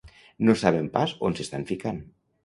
No saben pas on s'estan ficant.